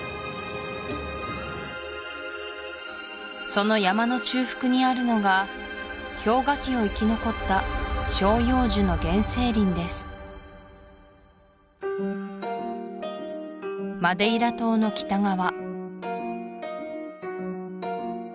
その山の中腹にあるのが氷河期を生き残った照葉樹の原生林ですマデイラ島の北側